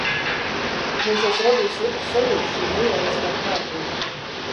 Mūsos radīja sliktu sajūtu šī neierastā kārtība.